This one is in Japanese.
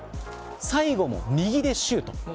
最後も右でシュート。